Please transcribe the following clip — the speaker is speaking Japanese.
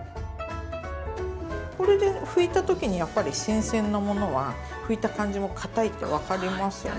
これで拭いたときにやっぱり新鮮なものは拭いた感じも堅いって分かりますよね。